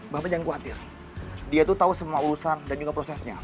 bahkan jangan khawatir dia itu tahu semua urusan dan juga prosesnya